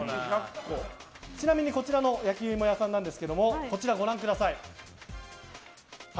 ちなみにこちらの焼き芋屋さんですがこちらご覧ください。